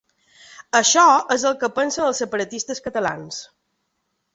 Això és el que pensen els separatistes catalans.